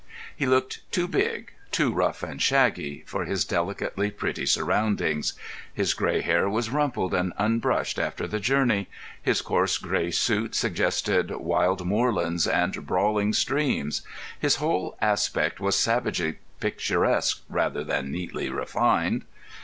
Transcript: He looked too big, too rough and shaggy for his delicately pretty surroundings. His grey hair was rumpled and unbrushed after the journey; his coarse grey suit suggested wild moorlands and brawling streams; his whole aspect was savagely picturesque rather than neatly refined.